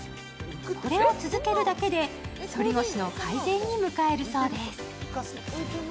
これを続けるだけで、反り腰の改善に向かえるそうです。